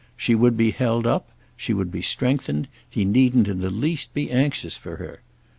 She would be held up; she would be strengthened; he needn't in the least be anxious for her.